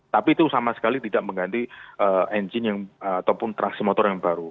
tapi itu sama sekali tidak mengganti engine ataupun traksi motor yang baru